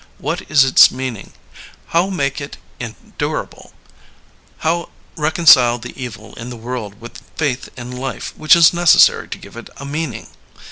What is its meaning? How make it en durable T How reconcile the evil in the world with faith in life, which is necessary to give it a meaning?